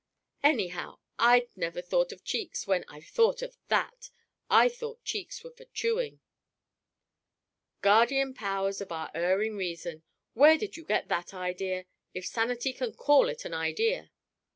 "Anyhow, I've never thought of cheeks when I've thought of that; I thought cheeks were for chewing." "Guardian Powers of our erring reason! Where did you get that idea if sanity can call it an idea?"